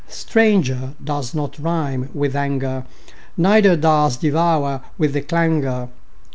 Stranger does not rime with anger, Neither does devour with clangour.